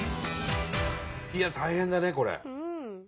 いや大変だねこれ。